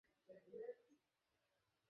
করো করো, উঠাও।